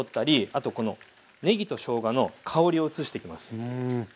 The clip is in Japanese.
あとこのねぎとしょうがの香りを移していきます。